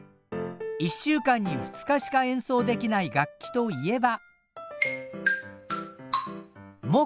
一週間に２日しか演奏できない楽器といえば。